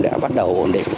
đã bắt đầu ổn định